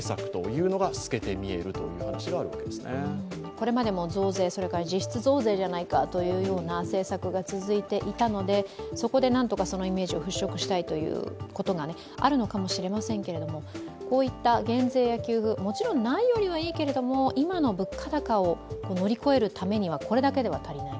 これまでも増税、それから実質増税じゃないかという政策が続いていたので、そこでなんとかそのイメージを払拭したいということがあるのかもしれませんけれどもこういった減税や給付、もちろんないよりはいいけれども、今の物価高を乗り越えるためには、これだけでは足りない。